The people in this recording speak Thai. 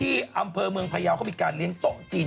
ที่อำเภอเมืองพยาวเขามีการเลี้ยงโต๊ะจีน